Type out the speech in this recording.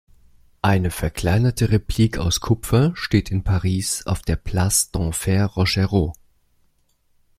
Eine verkleinerte Replik aus Kupfer steht in Paris auf der Place Denfert-Rochereau.